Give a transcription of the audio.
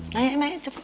nanya nanya cepet